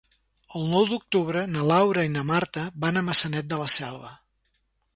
El nou d'octubre na Laura i na Marta van a Maçanet de la Selva.